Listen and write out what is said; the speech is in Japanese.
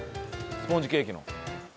スポンジケーキの。